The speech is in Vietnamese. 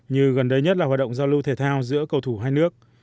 như gần đây nhất là hoạt động giao lưu thể thao giữa cầu thủ hai nước